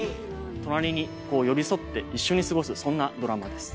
隣にこう寄り添って一緒に過ごすそんなドラマです。